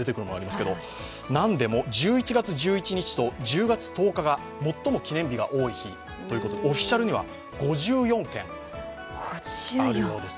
何でも１１月１１日と１０月１０日が最も記念日が多い日ということで、オフィシャルには５４件あるようです。